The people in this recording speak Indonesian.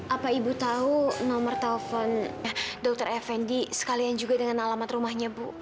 apa ibu tahu nomor telepon dokter effendi sekalian juga dengan alamat rumahnya bu